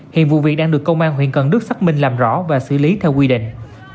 hiện vụ việc đang được công an huyện cần đức xác minh làm rõ và xử lý theo quy định